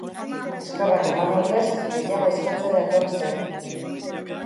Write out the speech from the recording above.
Eskerrak eman ordez gehiago eskatzera etorri zen.